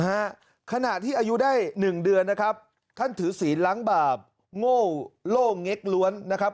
ขณะที่อายุได้หนึ่งเดือนนะครับท่านถือศีลล้างบาปโง่โล่เง็กล้วนนะครับ